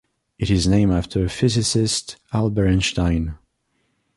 It is named after physicist Albert Einstein.